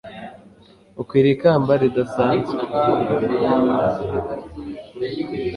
ukwiriye ikamba ridasanzwe